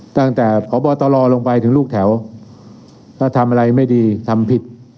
ตั้งแต่พบตรลงไปถึงลูกแถวถ้าทำอะไรไม่ดีทำผิด